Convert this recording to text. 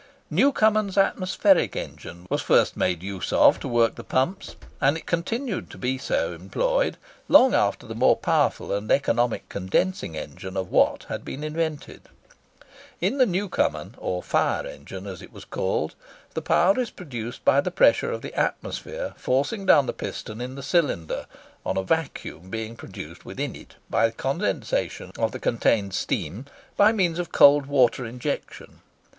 Newcomen's atmospheric engine was first made use of to work the pumps; and it continued to be so employed long after the more powerful and economical condensing engine of Watt had been invented. In the Newcomen or "fire engine," as it was called, the power is produced by the pressure of the atmosphere forcing down the piston in the cylinder, on a vacuum being produced within it by condensation of the contained steam by means of cold water injection.